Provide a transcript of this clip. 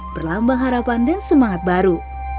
berlambang harapan dan semangat baru